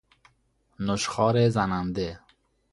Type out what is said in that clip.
نشخوار زننده